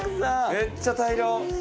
めっちゃ大量。